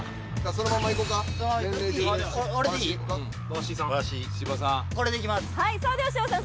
それでは芝さん